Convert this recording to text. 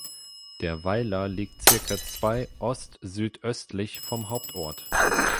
Der Weiler liegt circa zwei ostsüdöstlich vom Hauptort.